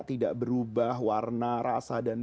tidak berubah warna rasa dan